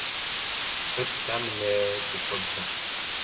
«Һөт тәмле-е» тип һуҙҙы.